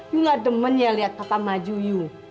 you nggak demen ya lihat papa maju you